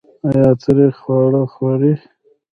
ایا تریخ خواړه خورئ؟